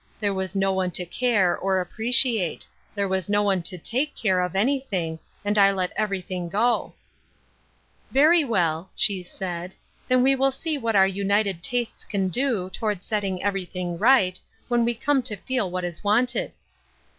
There was no one to care, or appreciate ; there was no one to take care of anything, and I let everything go" " Very well," she said ;*' then we will see what our united tastes can do, toward setting everything right, when we come to feel what is wanted."